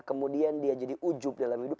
kemudian dia jadi ujub dalam hidup